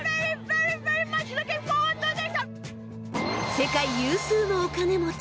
世界有数のお金持ち